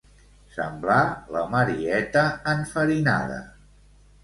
Semblar la Marieta enfarinada.